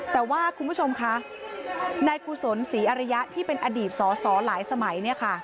แต่ว่าคุณผู้ชมค่ะนายกุศลศรีอริยะที่เป็นอดีตสอหลายสมัย